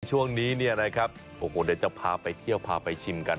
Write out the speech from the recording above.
ช่วงนี้จะพาไปเที่ยวพาไปชิมกัน